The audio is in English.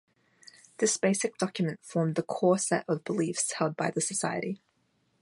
This basic document formed the core set of beliefs held by the society.